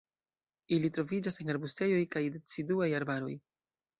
Ili troviĝas en arbustejoj kaj deciduaj arbaroj.